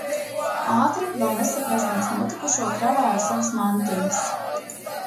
Ātri, vēl nesaprazdams notikušo kravāju savas mantiņas.